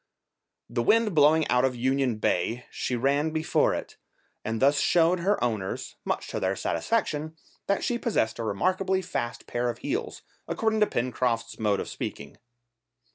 The wind blowing out of Union Bay she ran before it, and thus showed her owners, much to their satisfaction, that she possessed a remarkably fast pair of heels, according to Pencroft's mode of speaking.